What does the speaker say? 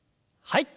はい。